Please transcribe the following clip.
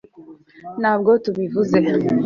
ntabwo tubivuze